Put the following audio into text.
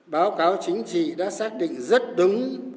báo cáo chính trị đã xác định rất đúng